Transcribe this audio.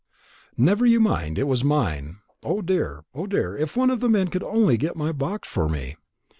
"Never you mind; it was mine. O dear, O dear! if one of the men would only get my box for me."